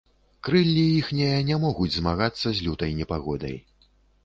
Крыллі іхнія не могуць змагацца з лютай непагодай.